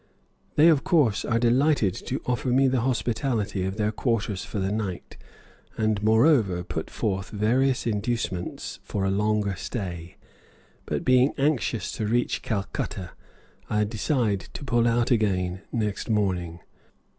They, of course, are delighted to offer me the hospitality of their quarters for the night, and, moreover, put forth various inducements for a longer stay; but being anxious to reach Calcutta, I decide to pull out again next morning.